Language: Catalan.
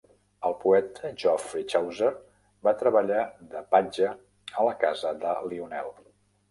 El poeta Geoffrey Chaucer va treballar de patge a la casa de Lionel.